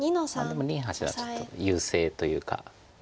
でも林八段はちょっと優勢というか。